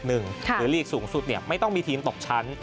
ลีกสูงสุดไม่ต้องมีทีมตกชั้น